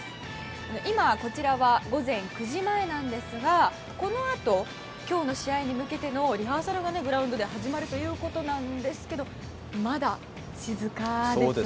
今、こちらは午前９時前なんですがこのあと今日の試合に向けてのリハーサルがグラウンドで始まるということなんですがまだ静かですね。